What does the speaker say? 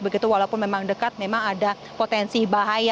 begitu walaupun memang dekat memang ada potensi bahaya